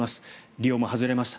リオも外れました。